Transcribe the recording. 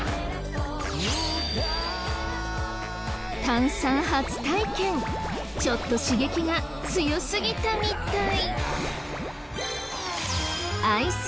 炭酸初体験ちょっと刺激が強すぎたみたい。